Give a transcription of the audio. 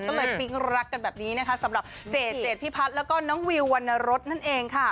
ก็เลยปิ๊งรักกันแบบนี้นะคะสำหรับเจดเจดพิพัฒน์แล้วก็น้องวิววรรณรสนั่นเองค่ะ